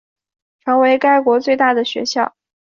成为该国最大的学校。